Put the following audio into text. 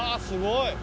すごい